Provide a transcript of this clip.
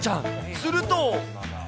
すると。